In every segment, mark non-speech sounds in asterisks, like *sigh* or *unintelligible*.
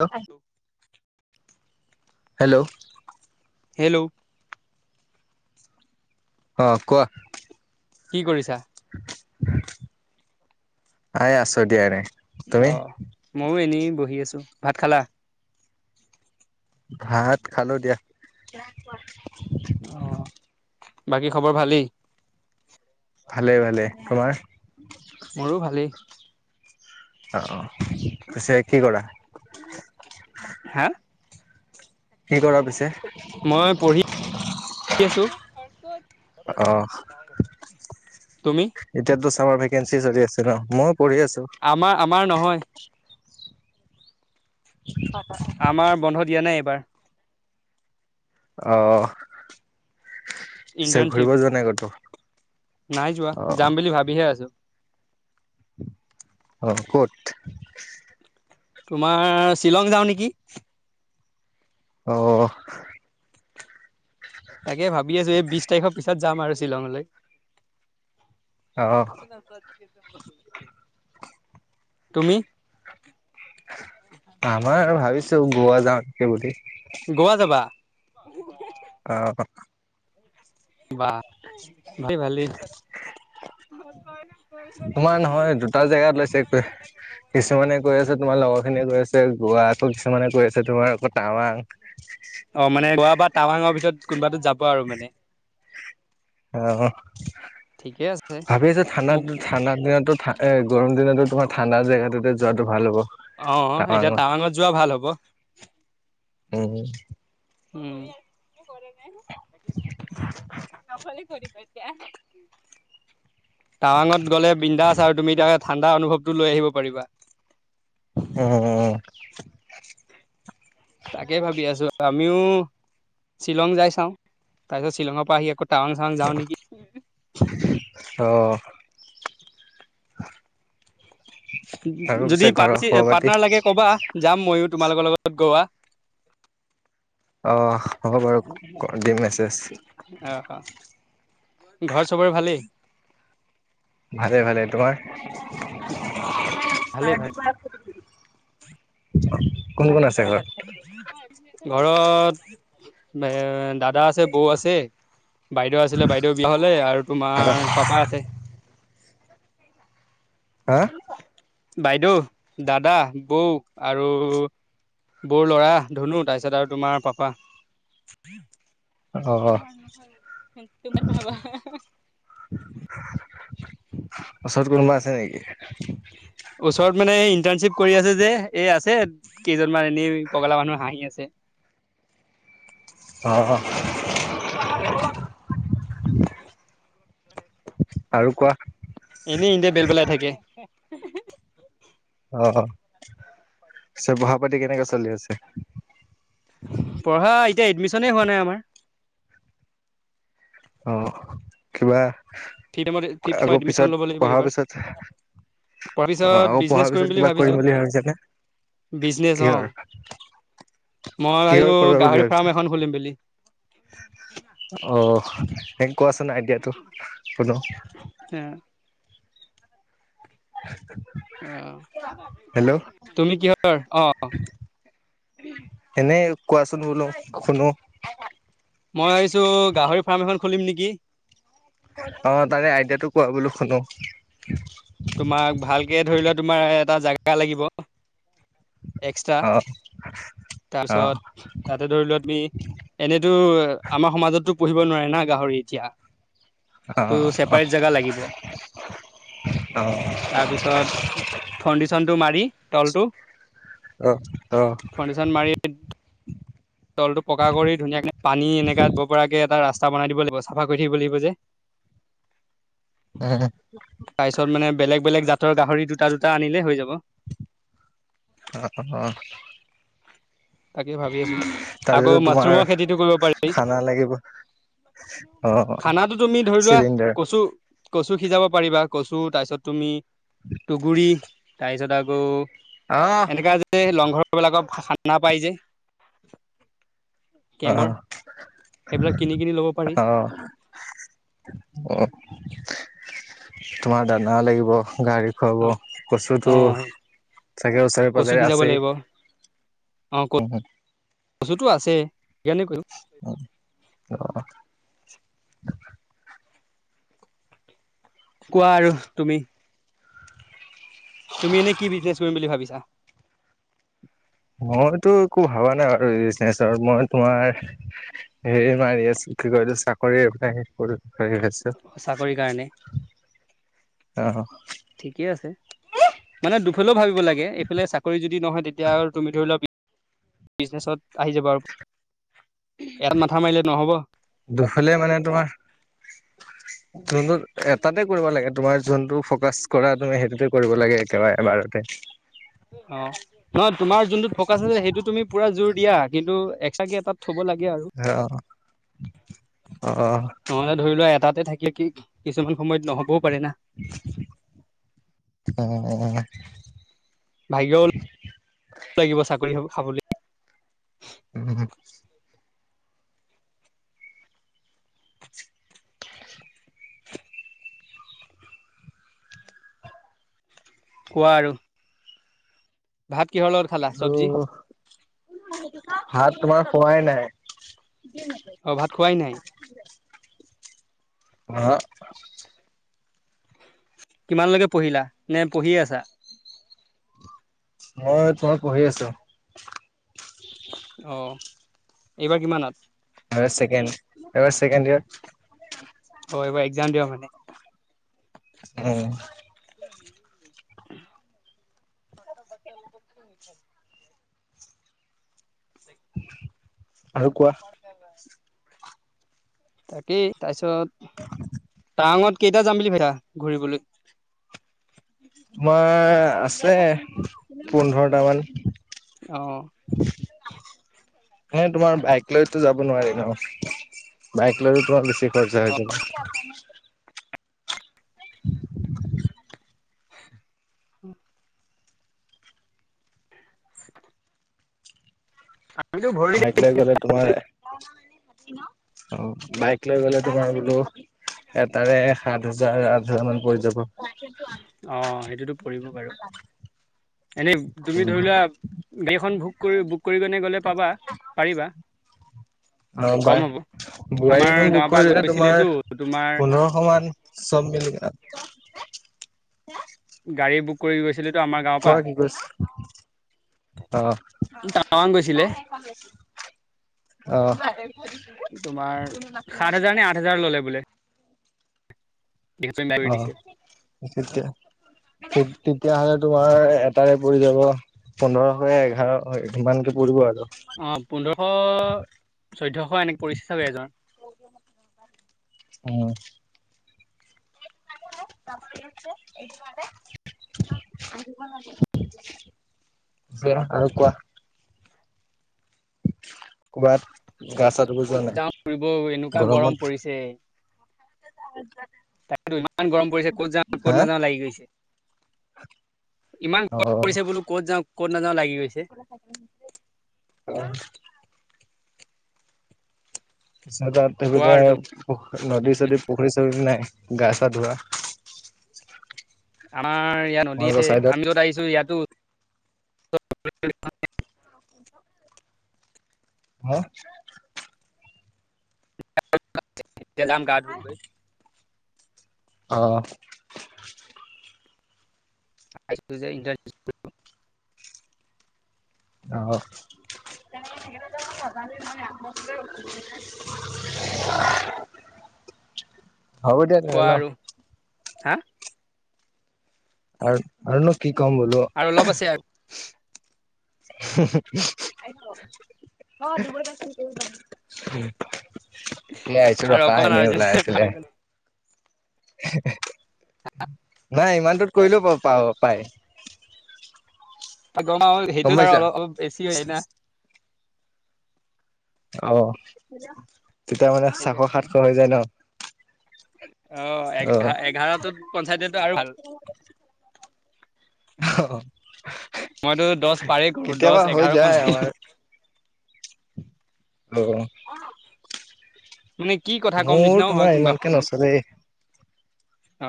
হেল hello hello. অ কোৱা। কি কৰিছা? এই আছো দিয়া এনেই। অ মইও এনেই বহি আছো। ভাত খালা? ভাত খালো দিয়া। অ বাকী খবৰ ভালেই? ভালেই ভালেই তোমাৰ? মোৰো ভালেই। অ অ পিছে কি কৰা? হা? কি কৰা পিছে? মই পঢ়ি আছো। অ তুমি? এতিয়াতো চামাৰ ভেকেঞ্চি চলি আছে ন? ময়ো পঢ়ি আছো আমাৰ-আমাৰ নহয়। *unintelligible* আমাৰ বন্ধ দিয়া নাই এইবাৰ। অহ পিছে ইণ্টাৰ্ণশ্বিপ ঘূৰিব যোৱা নাই কতো? নাই যোৱা অ যাম বুলি ভাবিহে আছো। অ ক'ত? তোমাৰ শ্বিলং যাওঁ নেকি। অ তাকে ভাবি আছো এই বিশ তাৰিখৰ পিছত যাম আৰু শ্বিলঙলৈ। তুমি? আমাৰ ভাবিছো গোৱা যাও সেই বুলি। গোৱা যাবা? *unintelligible* অ। কিবা *unintelligible* তোমাৰ নহয় দুটা জেগাত ওলাইছে এটোৱে কিছুমানে কৈ আছে তোমাৰ লগৰ খিনিয়ে কৈ আছে গোৱা, আকৌ কিছুমানে কৈ আছে তোমাৰ আকৌ টাৱাং। অ মানে গোৱা বা টাৱাঙৰ ভিতৰত কোনোবাতোত যাব আৰু মানে। অ। ঠিকে আছে। ভাবি আছো ঠাণ্ডাত মোক ঠাণ্ডা দিনতো এ গৰম দিনটো তোমাৰ ঠাণ্ডা জেগাটোতে যোৱাটো ভাল হ'ব। অ এতিয়া টাৱাঙত যোৱা ভাল হ'ব। উম। *unintelligible* টাৱাঙত গ'লে বিন্দাচ আৰু তুমি এতিয়া ঠাণ্ডা অনুভৱটো লৈ আহিব পাৰিবা। উম। উম। তাকে ভাবি আছোঁ আমিও শ্বিলং যাই চাওঁ তাৰপিছত শ্বিলঙৰ পৰা আহি আকৌ টাৱাং চাৱাং যাওঁ নেকি। অ আৰু যদি পিছে ঘৰৰ পাটিছি খবৰ পাতি পাৰ্টনাৰ লাগে কবা যাম মইয়ো তোমালোকৰ লগত গোৱা। অ হ'ব বাৰু দিম মেছেজ। অ অ ঘৰত চবৰে ভালেই। ভালে ভালে তোমাৰ? ভালেই ভালেই। *inaudible* কোন কোন আছে ঘৰত? ঘৰত এ দাদা আছে, বৌ আছে। বাইদেউ আছিলে বাইদেউ বিয়া হলে আৰু তোমাৰ পাপা আছে। হা বাইদেউ, দাদা, বৌ, আৰু বৌৰ ল'ৰা ধুনু, তাৰপিছত আৰু তোমাৰ পাপা। অ তোমাৰ ন তোমাৰ বাবা *unintelligible* ওচৰত কোনোবা আছে নেকি? ওচৰত মানে ইণ্টাৰ্নশ্বিপ কৰি আছে যে এই আছে কেইজনমান এনেই পগলা মানুহ হাঁহি আছে। অ আৰু কোৱা। এনেই ইহঁতে বেল বেলাই থাকে। অ পঢ়া পাতি কেনেকে চলি আছে। পঢ়া এতিয়া এডমিশ্যনে হোৱা নাই আমাৰ। অ কিবা ফিফ ছেমত ফিফ ছেমত আকৌ এডমিশন পিছত ল'ব লাগিব পঢ়াৰ এইবাৰ পিছত তাৰ অ পিছত আকৌ পঢ়াৰ পিছত কিবা কৰিম বুলি ভাবিছানে? বিজনেচ অ, কিহৰ মই কিহৰ আৰু কৰিবা বুলি গাহৰি ভাবিছা ফাৰ্ম এখন খুলিম বুলি। অ হে কোৱাচোন আইডিয়াটো শুনো। হে হেল্ল' আহ তুমি কিহৰ অ এনেই কোৱাচোন বোলো শুনো। মই ভাবিছো গাহৰি ফাৰ্ম এখন খুলিম নেকি। অ তাকে আইডিয়াটো কোৱা বোলো শুনো। তোমাক ভালকে ধৰি লোৱা তোমাৰ এটা জাগা লাগিব। এক্সটা অ অ তাৰপিছত। তাতে ধৰিলোৱা তুমি এনেতো আমাৰ সমাজতো পোঢ়িব নোৱাৰে না গাহৰি এতিয়া। টো ছেপাৰেট জেগা লাগিব। অ তাৰপিছত ফাউণ্ডিশ্যনটো মাৰি তলটো। আহ অ ফাউণ্ডেশ্যন মাৰি তলটো পকা কৰি ধুনীয়াকে পানী এনেকা যাব পৰাকে এটা ৰাস্তা বনাই দিব লাগিব, চাফা কৰি থাকিব লাগিব যে। *inaudible* তাৰ পিছত মানে বেলেগ বেলেগ জাতৰ গাহৰি দুটা দুটা আনিলে হৈ যাব। অ অ তাকে ভাবি আছোঁ, তাতেতো আকৌ তোমাৰ মাছৰুমৰ খেতিটো কৰিব পাৰি। খানা লাগিব অ খানাটো তুমি ধৰি লোৱা চিলিণ্ডাৰ কচু কচু সিজাব পাৰিবা, কচু তাৰপিছত তুমি তু'হগুৰি তাৰপিছত আকৌ অ'। যে লংঘৰ বিলাকৰ খানা পাই যে। কেম্পৰ অ', সেইবিলাক কিনি কিনি ল'ব পাৰি অ'। অ' তোমাৰ দানা লাগিব গাড়ীত অ হ'ব অ কচুটো চাগে ওচৰে কচু পজৰে সিজাব আছেই। লাগিব উম, হু'। কচুতো আছেই, সেইকাৰণে কৰিম। *unintelligible* *unintelligible* কোৱা আৰু তুমি? তুমি এনেই কি বিজনেছ কৰিম বুলি ভাবিছা? মইতো একো ভবা নাই বাৰু বিজনেচৰ, মই তোমাৰ সে মাৰি আছো কি কয় এইটো চাকৰি এপ্লাই চাকৰি কাৰণে, অ ঠিকেই আছে। মানে দুফালেও ভাবিব লাগে, এইফালে চাকৰি যদি নহয় তেতিয়া আৰু তুমি ধৰি লোৱা বিজনেছত আহি যাব, আৰু এটাত মাথা মাৰিলে নহ'ব। দুফালে মানে তোমাৰ যোনটত এটাতে কৰিব লাগে তোমাৰ যোনটো ফকাচ কৰা তুমি সেইটোতে কৰিব লাগে একেবাৰে এবাৰতে। অ' নহয় তোমাৰ যোনটোত ফকাচ আছিল সেইটো তুমি পুৰা জোৰ দিয়া। কিন্তু এক্সট্ৰাকে এটাত থ'ব লাগে আৰু। অ', অ', নহ'লে ধৰি লোৱা এটাতে থাকিলে কি কিছুমান সময়ত নহ'বও পাৰে না? অ', অ'। ভাগ্যও লাগিব চাকৰিৰ ধন খাবলৈ? উম। কোৱা আৰু? ভাত কিহৰ লগত খালা আৰু চব্জি? ভাত তোমাৰ খোৱাই নাই। অঁ ভাত খোৱাই নাই? আ'হা'। কিমানলৈকে পঢ়িলা নে পঢ়িয়ে আছা? মই তোমাৰ পঢ়ি আছো। অ', এইবাৰ কিমানত? এবাৰ ছেকেণ্ড এবাৰ ছেকেণ্ড ইয়াৰ। অ' এইবাৰ এক্সাম দিবা মানে? উম। *inaudible* ছটা বা লগত কি নিক *unintelligible* আৰু কোৱা? তাকেই, তাৰ পিছত টাৱাঙত কেইটা যাম বুলি ভাবিছা ঘূৰিবলৈ? তোমাৰ আছে পোন্ধৰটামান। অ'। *inaudible* এনেই তোমাৰ বাইক লৈতো যাব নোৱাৰি ন? বাইক লৈ তোমাৰ বেছি খৰচা হৈ যাব? *unintelligible* আমিতো ভ বাইক লৈ গ'লে তোমাৰ অঁ বাইক লৈ গলে তোমাৰ বোলো- এটাৰে সাত হাজাৰ আঠ হাজাৰ মান পৰি যাব। অঁ সেইটোতো পৰিব বাৰু, এনেই তুমি ধৰি উম, লোৱা- গাড়ীখন ভুক কৰি বুক কৰি কিনে গ'লে পাবা পাৰিবা। অঁ কম হ'ব বায় আমাৰ বোৱাৰীখন গাঁৱৰ বুক পৰা কৰিলে গৈছিলেতো তোমাৰ তোমাৰ পোন্ধৰ- শ ৱান চব মিলি কিনে। গাড়ী বুক কৰি গৈছে। ছিলো টো আমাৰ গাওঁ- হয়, কি কৈছ- টাৱাং গৈছিলে অঁহ' তোমাৰ অ' সাত হাজাৰ নে আঠ হাজাৰ ল'লে বোলে। ইসেতে দাবি অ দিছে। তেতিয়া তেতিয়াহ'লে তোমাৰ এটাৰে পৰি যাব। পোন্ধৰশয় এঘাৰ সিমানকে পৰিব আৰু। অঁ পোন্ধৰশ- চৈধ্যশ এনেকে পৰিছে চাগে এজনত। অঁ' *unintelligible* যে আৰু কোৱা। ক'বাত গা চা ধুব যোৱা ক'ত নাই যাওঁ ফুৰিব এনেকুৱা গৰম গৰমত? পৰিছে তাকেতো ইমান গৰম পৰিছে, ক'ত যাওঁ ক'ত হা নাযাওঁ লাগি গৈছে। ইমান অ গৰম কৰিছে বোলো ক'ত যাওঁ ক'ত নাযাওঁ লাগি গৈছে। অ' চদাত কোৱা আৰু তেভুদেঅ। তুমি উহ' নদী চদী পুখুৰী চুখুৰী নাই গা চা ধোৱা। আমাৰ ইয়াত নদী তোমালোকৰ আছে চাইডত আমিও আহিছো ইয়াতো- *unintelligible* হাঁ। এতিয়া যাম গা ধুমগৈ। অঁ' আহিছিলো যে ইন্টাৰশ্বিপ- অঁ' নাজানেই মানে আম ওচতে ৰখি- *unintelligible* কোৱা আৰু হাঁ। আৰ আৰুনো কি কম বোলো? আৰু অলপ আছে আক- আহি থাকক। এ আহিছো আৰু ৰখা অকমান এনেই আৰু ওলাই আছিলে। *unintelligible* *unintelligible* নাই ইমানটোত কৰিলেও প পাৱ পায়। অ গমা বল গম সেইটোৱে আৰু পাইছা। অলপ অলপ বেছি হয় না। অ তেতিয়া মানে ছশ সেইকাৰণে সাতশ হৈ যায় ন অহ অ এঘা এঘাৰটোত পঞ্চায়তেতো আৰু ভাল অ মইতো দহ পাৰে কৰো দহ কেতিয়াবা হৈ এঘাৰ যায় পঞ্চায়ত আমাৰ অ মানে কি কথা কম মোৰ নিচিনাও হয় তোমাৰ কোনোবা ইমানকে সময়ত নচলেই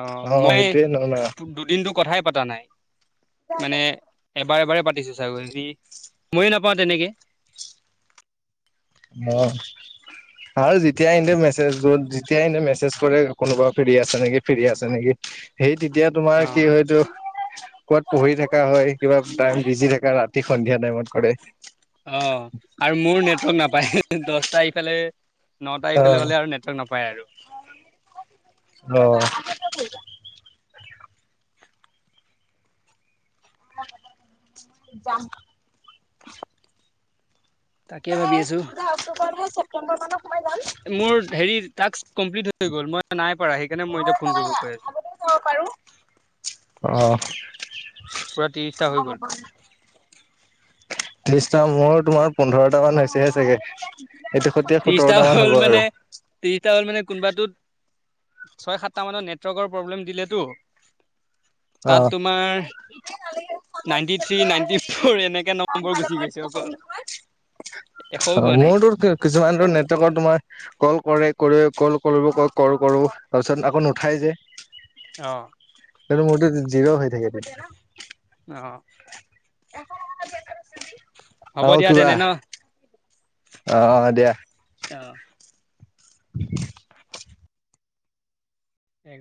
অ মই সেইটোয়ে ন ন দুদিনটো কথাই পতা নাই মানে এবাৰ এবাৰে পাতিছো চাগৈ যদি মইয়ো নাপাও তেনেকে অ আৰু যেতিয়াই এনে মেছেজ যত যেতিয়াই এনে মেছেজ কৰে কোনোবা ফ্ৰী আছে নেকি ফ্ৰী আছে নেকি সেই তেতিয়া তোমাৰ অ'। কি সেইটো ক'বাত পঢ়ি থকা হয় কিবা টাইম বিজি থাকা ৰাতি সন্ধিয়া টাইমত কৰে অ আৰু মোৰ নেটৱৰ্ক নাপায় দহটা এইফালে নটাৰ ইফালে হ'লে আৰু নেটৱৰ্ক নাপায় আৰু অ যাম তাকে ভাবি আছোঁ, চিধা অক্টোবৰ নহে ছেপ্টেম্বৰ মানত সোমায় যাম মোৰ হেৰি টাস্ক কামপ্লিট হৈ গ'ল মই নাই পাৰা সেইকাৰণে মই এতিয়া ফোন কৰিব কৈ আছো যাব পাৰো পুৰা ত্ৰিশটা হৈ গল ত্ৰিছটা মোৰ তোমাৰ পোন্ধৰটা মান হৈছেহে চাগে এইটো সৈতে সোতৰটা মান হ'ব আৰু তিনিটা হ'ল মানে কোনোবাটোত ছয় সাতটা মানত নেটৱৰ্কৰ প্ৰব্লেম দিলেতো অ তাত তোমাৰ নাইনটি থ্ৰী নাইনটি ফৰ এনেকে নম্বৰ গুচি গৈছে অকল এশও অ হোৱা নাই। মোৰতো কে কিছুমানেতো নেটৱৰ্কত তোমাৰ কল কৰে কৰি কল কৰিব ক কল কৰো তাৰপিছত আকৌ নুঠাই যে অ কিন্তু মোৰতো জিৰ হৈ থাকে তেতিয়া অ এশ টকা খালি আছে হ'ব দিয়া তেনে ন অ অ দিয়া অ উ *inaudible* এক